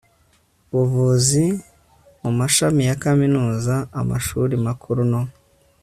buvuzi mu mashami ya kaminuza amashuri makuru no